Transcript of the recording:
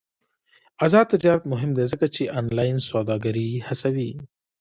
آزاد تجارت مهم دی ځکه چې آنلاین سوداګري هڅوي.